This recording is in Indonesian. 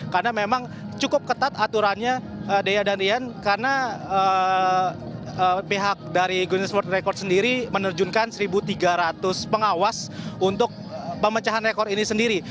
karena memang cukup ketat aturannya dea dan rian karena pihak dari guinness world records sendiri menerjunkan satu tiga ratus pengawas untuk pemecahan rekor ini sendiri